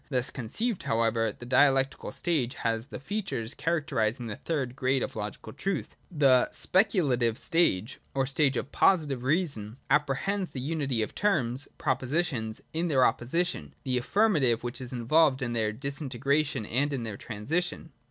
Thus conceived, however, the dialectical stage has the features characterising the third grade of logical truth, the speculative form, or form of posi tive reason. 82. (y) The Speculative stage, or stage of Positive Reason, apprehends the unity of terms (propositions) in their opposition, — the affirmative, which is involved in their disintegration and in their transition.